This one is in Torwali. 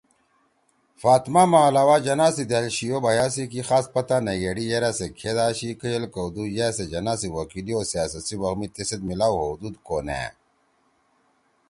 فاطمہ ما علاوہ جناح سی دأل شِی او بھیا سی کی خاص پتا نےگھیڑی یرأ سے کھید آشی، کئیل کؤدُود یا سےجناح سی وکیلی او سیاست سی وَخ می تیسیت میلاؤ ہؤدُود کو نأ